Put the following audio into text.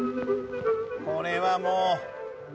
これはもう。